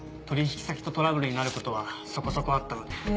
取引先とトラブルになることはそこそこあったので。